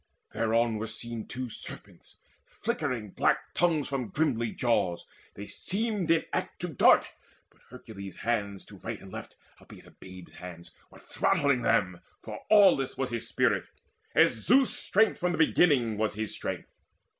Thereon were seen two serpents flickering Black tongues from grimly jaws: they seemed in act To dart; but Hercules' hands to right and left Albeit a babe's hands now were throttling them; For aweless was his spirit. As Zeus' strength From the beginning was his strength.